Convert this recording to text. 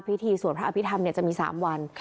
พิธีสวดพระอภิษฐรรมจะมี๓วัน